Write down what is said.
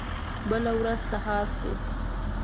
بله ورځ سهار شو.